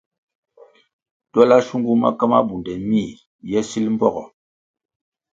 Twela shungu maka mabunde mih le sil mbpogo.